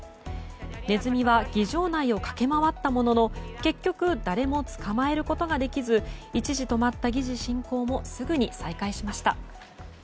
ネズミは議場内を駆け回ったものの結局、誰も捕まえることができず一時止まった議事進行もすぐに再開しました。